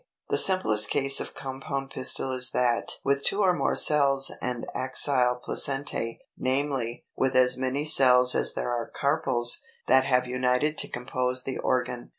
The simplest case of compound pistil is that 310. =With two or more Cells and Axile Placentæ=, namely, with as many cells as there are carpels, that have united to compose the organ.